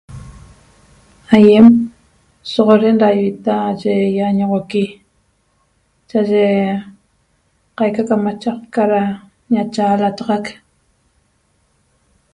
Aýem sho'oxoden da ivita yi ýañoxoqui cha'aye qaica camachaqca da ñachaalataxac